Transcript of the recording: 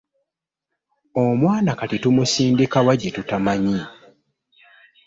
Omwana kati tumusindika wa gye tutamanyi?